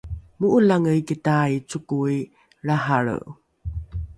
mo’elange iki tai cokoi lrahalre